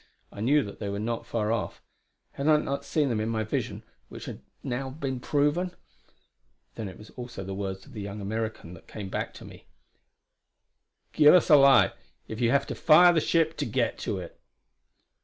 I knew that they were not far off; had I not seen them in my vision, which had now been proven. Then it was also that the words of the young American came back to me: "Give us a light, if you have to fire the ship to get it."